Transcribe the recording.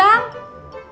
makan yang banyak